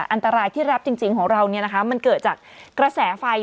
อันตรายที่รับจริงของเรามันเกิดจากกระแสไฟ